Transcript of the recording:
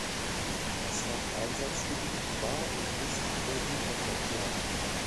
Das Haupteinsatzgebiet war und ist der Güterverkehr.